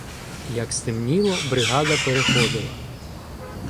Як стемніло, бригада переходила